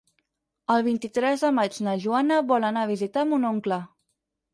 El vint-i-tres de maig na Joana vol anar a visitar mon oncle.